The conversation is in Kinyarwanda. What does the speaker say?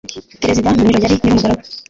Perezida Monroe yari nyir'umugaragu.